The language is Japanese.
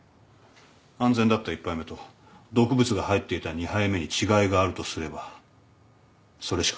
安全だった１杯目と毒物が入っていた２杯目に違いがあるとすればそれしか考えられない。